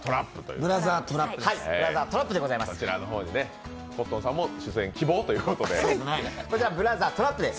こちらの方にコットンさんも出演希望ということです。